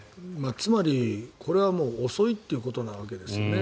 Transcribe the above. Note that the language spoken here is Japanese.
つまり、これはもう遅いということなわけですよね。